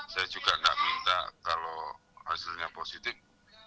saya juga tidak minta kalau hasilnya positif